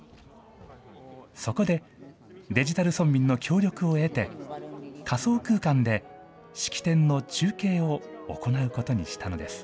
そこでデジタル村民の協力を得て、仮想空間で式典の中継を行うことにしたのです。